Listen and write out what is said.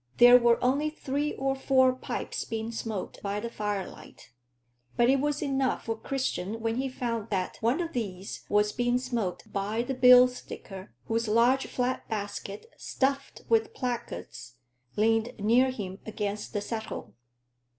There were only three or four pipes being smoked by the firelight, but it was enough for Christian when he found that one of these was being smoked by the bill sticker, whose large flat basket, stuffed with placards, leaned near him against the settle.